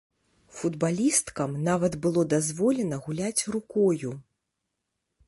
Футбалісткам нават было дазволена гуляць рукою.